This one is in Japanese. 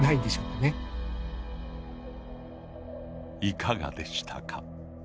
いかがでしたか。